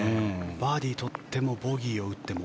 バーディーを取ってもボギーを打っても。